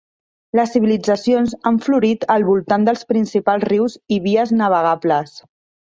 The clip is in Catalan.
Les civilitzacions han florit al voltant dels principals rius i vies navegables.